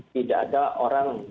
tidak ada orang